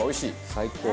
最高。